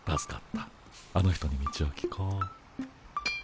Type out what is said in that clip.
あの人に道を聞こう。